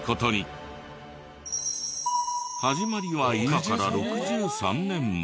始まりは今から６３年前。